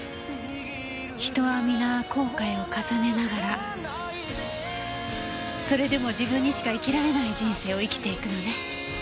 人はみな後悔を重ねながらそれでも自分にしか生きられない人生を生きていくのね。